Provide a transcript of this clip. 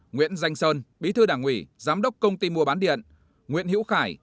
nguyễn danh sơn bí thư đảng ủy giám đốc công ty mua bán điện nguyễn hữu khải